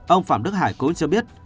ông phạm đức hải cũng cho biết